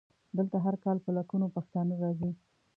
دلته هر کال په لکونو پښتانه راځي.